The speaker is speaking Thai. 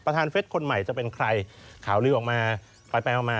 ประธานเฟทคนใหม่จะเป็นใครข่าวลือออกมาปล่อยออกมา